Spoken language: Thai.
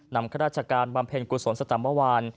ข้าราชการบำเพ็ญกุศลสตัมเมื่อวาน